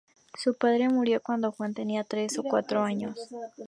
Su padre murió cuando Juan tenía tres o cuatro años.